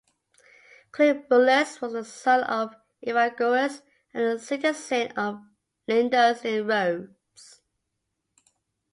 Cleobulus was the son of Evagoras and a citizen of Lindus in Rhodes.